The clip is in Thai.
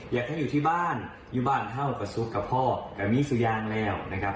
อยากให้อยู่ที่บ้านอยู่บ้านเท่ากับสุขกับพ่อแต่มีสุยางแล้วนะครับ